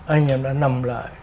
anh em đã nằm lại